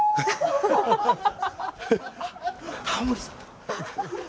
タモリさん！